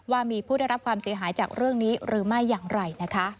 ว่ามีผู้ได้รับความเสียหายจากเรื่องนี้หรือไม่อย่างไรนะคะ